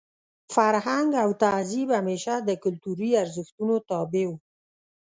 فرهنګ او تهذیب همېشه د کلتوري ارزښتونو تابع وو.